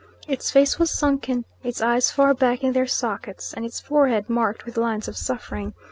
Its face was sunken, its eyes far back in their sockets, and its forehead marked with lines of suffering.